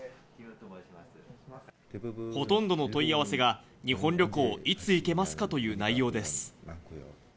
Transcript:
ほとんどの問い合わせが、日本旅行いつ行けますか？という内容です。